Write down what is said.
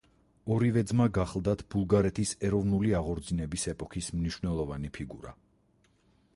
ორივე ძმა გახლდათ ბულგარეთის ეროვნული აღორძინების ეპოქის მნიშვნელოვანი ფიგურა.